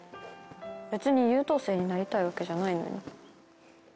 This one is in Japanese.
別に優等生になりたいわけじゃないのに。